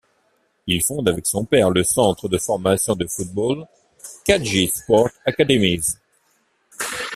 Il fonde avec son père le centre de formation de football Kadji Sport Academies.